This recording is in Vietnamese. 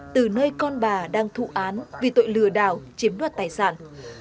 từ nơi con bà đang thụ án vì tội lừa đảo chiếm đoạt tài sản